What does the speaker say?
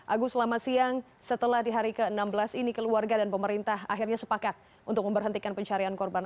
agus selamat siang setelah di hari ke enam belas ini keluarga dan pemerintah akhirnya sepakat untuk memberhentikan pencarian korban